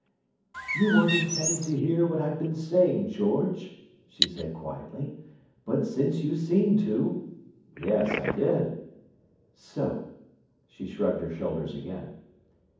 "You weren't intended to hear what I've been saying, George," she said quietly. "But since you seem to—" "Yes, I did." "So!" She shrugged her shoulders again.